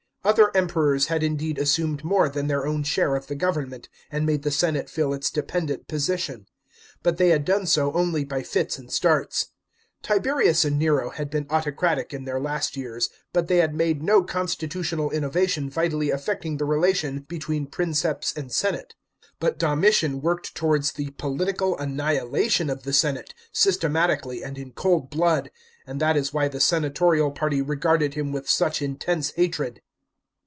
Other Emperors had indeed assumed more than their own share of the government, and made the senate feel its dependent ] osition ; but they had done so only by fits and starts. Tiberius and Nero had been autocratic in their last years, but they had made no constitutional innovation vitally affecting the relation between Princeps and senate. But Domitian worked towards the political annihilation of the senate systematically and in cold blood ; and that is why the senatorial party regarded him with such intense hatred.